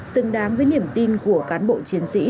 xứng đáng với niềm tin của cán bộ chiến sĩ